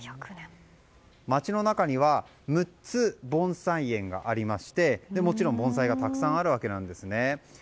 町の中には６つ、盆栽園がありましてもちろん盆栽がたくさんあるわけなんですね。